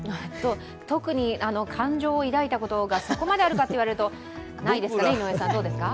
特に感情を抱いたことがそこまであるかと言われるとないですかね。